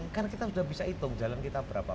karena kita sudah bisa hitung jalan kita berapa